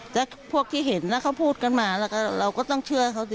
แต่พวกที่เห็นน่ะเขาพูดกันมาเราก็ต้องเชื่อเขาดิ